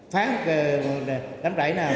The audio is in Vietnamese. phá đám rẫy nào